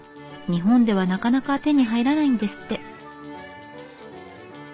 日本ではなかなか手に入らないんですって。